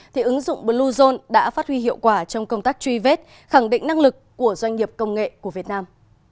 thì ứng dụng bluezone đã phát huy hiệu quả trong công tác truy vết khẳng định năng lực của doanh nghiệp công nghệ của việt nam